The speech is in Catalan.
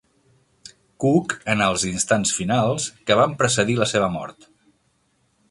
Cook en els instants finals que van precedir la seva mort.